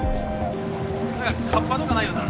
カッパとかないよな？